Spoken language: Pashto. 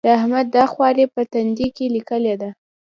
د احمد دا خواري په تندي کې ليکلې ده.